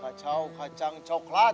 kacau kacang coklat